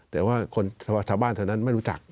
แต่ว่าคนชาวบ้านแถวนั้นไม่รู้จัก